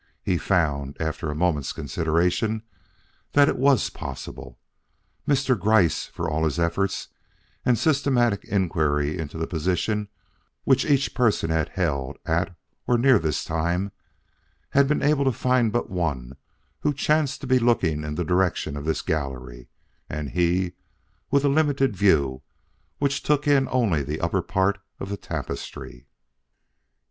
He found, after a moment's consideration, that it was possible. Mr. Gryce, for all his efforts and systematic inquiry into the position which each person had held at or near this time, had been able to find but one who chanced to be looking in the direction of this gallery, and he with a limited view which took in only the upper part of the tapestry.